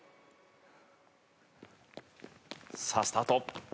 さあスタート。